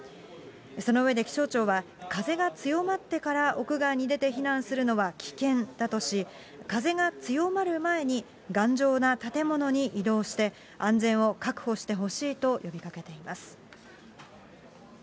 その上で気象庁は、風が強まってから屋外に出て避難するのは危険だとし、風が強まる前に頑丈な建物に移動して、安全を確保してほしいと呼びかけています。